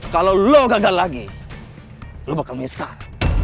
kalau lo gagal lagi lo bakal misah